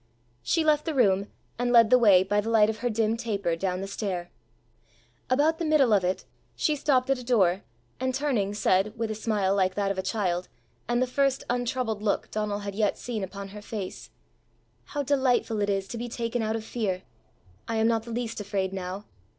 She left the room, and led the way, by the light of her dim taper, down the stair. About the middle of it, she stopped at a door, and turning said, with a smile like that of a child, and the first untroubled look Donal had yet seen upon her face "How delightful it is to be taken out of fear! I am not the least afraid now!"